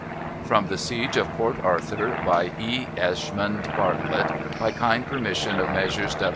From "The Siege of Port Arthur," by E. Ashmead Bartlet, by kind permission of Messrs.